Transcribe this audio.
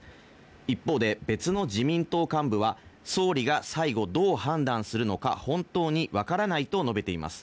一方で、別の自民党幹部は総理が最後どう判断するのか本当にわからないと述べています。